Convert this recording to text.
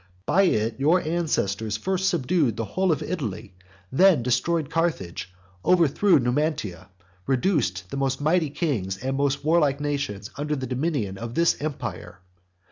By it your ancestors first subdued the whole of Italy; then destroyed Carthage, overthrew Numantia, and reduced the most mighty kings and most warlike nations under the dominion of this empire.